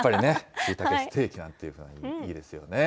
しいたけステーキなんていうのはいいですよね。